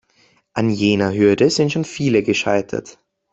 An jener Hürde sind schon viele gescheitert.